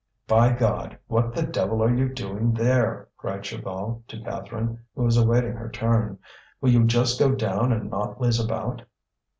"By God! What the devil are you doing there?" cried Chaval to Catherine, who was awaiting her turn. "Will you just go down and not laze about!"